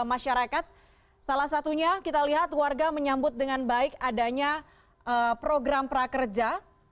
masyarakat salah satunya kita lihat warga menyambut dengan baik adanya program prakerja